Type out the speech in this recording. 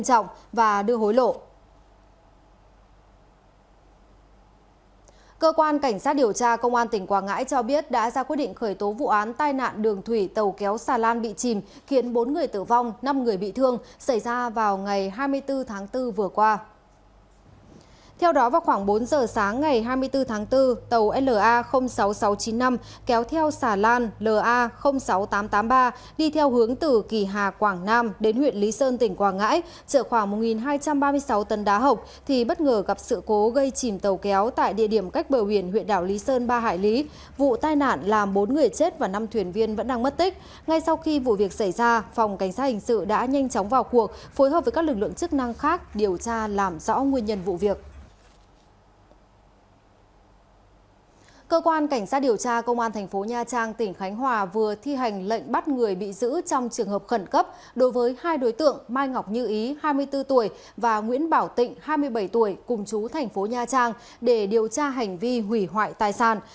cơ quan cảnh sát điều tra công an thành phố nha trang tỉnh khánh hòa vừa thi hành lệnh bắt người bị giữ trong trường hợp khẩn cấp đối với hai đối tượng mai ngọc như ý hai mươi bốn tuổi và nguyễn bảo tịnh hai mươi bảy tuổi cùng chú thành phố nha trang để điều tra hành vi hủy hoại tài sản